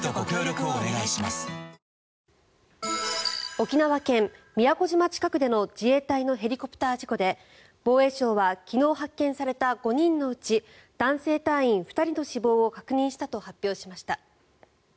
沖縄県・宮古島近くでの自衛隊のヘリコプター事故で防衛省は昨日発見された５人のうち男性隊員２人の死亡を確認したと発表しました。